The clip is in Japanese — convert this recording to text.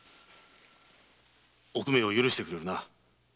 おくめを許してくれるな？